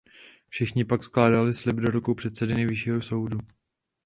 Všichni pak skládali slib do rukou předsedy Nejvyššího soudu.